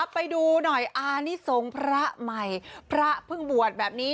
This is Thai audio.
ไปดูหน่อยอานิสงฆ์พระใหม่พระเพิ่งบวชแบบนี้